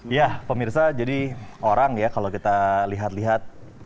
ya pemirsa jadi orang ya kalau kita lihat lihat